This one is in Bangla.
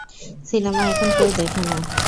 সিনেমা এখন কেউ দেখে না!